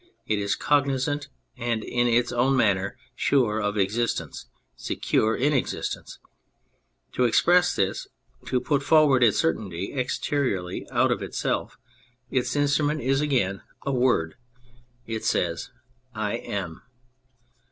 It is cognisant and, in its own manner, sure of existence, secure in existence. To express this, to put forward its certainty exteriorly, out of itself, its instrument is again a word. It says, "I am."